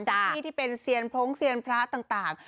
จากที่ที่เป็นเซียนพรงเซียนพระต่าง